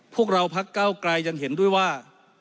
พวกเราพักเก้าไกลยังเห็นด้วยว่า